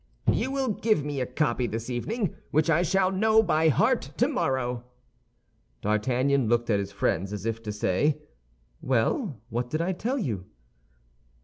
"You will give me a copy this evening, which I shall know by heart tomorrow." D'Artagnan looked at his friends, as if to say, "Well, what did I tell you?"